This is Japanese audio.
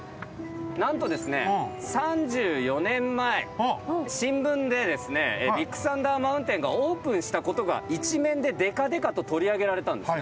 何とですね３４年前新聞でですねビッグサンダー・マウンテンがオープンしたことが一面ででかでかと取り上げられたんですね。